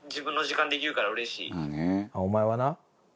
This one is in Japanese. お前はな。